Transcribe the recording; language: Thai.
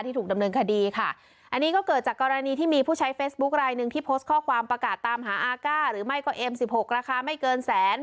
ถูกดำเนินคดีค่ะอันนี้ก็เกิดจากกรณีที่มีผู้ใช้เฟซบุ๊คลายหนึ่งที่โพสต์ข้อความประกาศตามหาอาก้าหรือไม่ก็เอ็มสิบหกราคาไม่เกินแสน